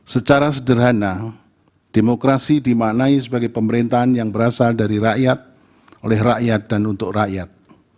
secara sederhana demokrasi dimaknai sebagai pemerintahan yang berasal dari rakyat oleh rakyat dan untuk rakyat